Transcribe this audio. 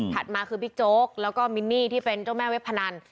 มาคือบิ๊กโจ๊กแล้วก็มินนี่ที่เป็นเจ้าแม่เว็บพนัน